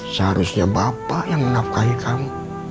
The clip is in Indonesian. seharusnya bapak yang menafkahi kamu